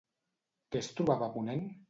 Què es trobava a ponent?